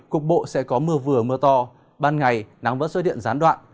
cục bộ sẽ có mưa vừa mưa to ban ngày nắng vẫn sôi điện gián đoạn